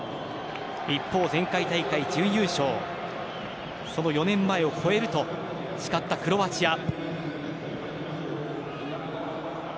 一方、前回大会準優勝その４年前を超えると誓ったクロアチア。